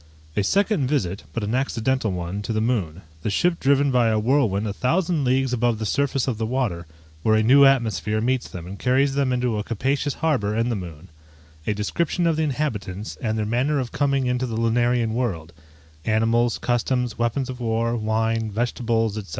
_A second visit (but an accidental one) to the moon The ship driven by a whirlwind a thousand leagues above the surface of the water, where a new atmosphere meets them and carries them into a capacious harbour in the moon A description of the inhabitants, and their manner of coming into the lunarian world Animals, customs, weapons of war, wine, vegetables, &c.